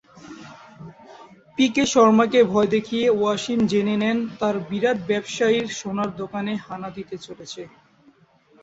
পিকে শর্মাকে ভয় দেখিয়ে ওয়াসিম জেনে নেন তারা বিরাট ব্যবসায়ীর সোনার দোকানে হানা দিতে চলেছে।